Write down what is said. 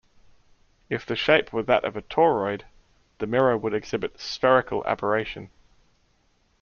If the shape were that of a toroid, the mirror would exhibit spherical aberration.